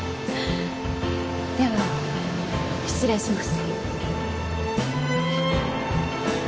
では失礼します。